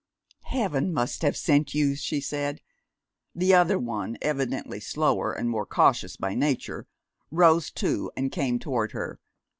"Heaven must have sent you," she said. The other one, evidently slower and more cautious by nature, rose too, and came toward her.